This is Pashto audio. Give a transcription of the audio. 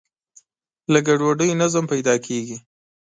له ګډوډۍ نظم پیدا کېږي.